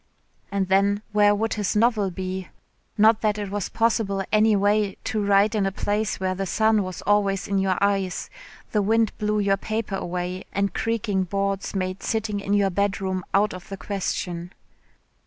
And then where would his novel be? Not that it was possible any way to write in a place where the sun was always in your eyes, the wind blew your paper away and creaking boards made sitting in your bedroom out of the question.